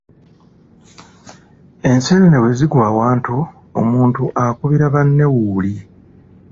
Enseenene bwe zigwa awantu, omuntu akubira banne wuuli.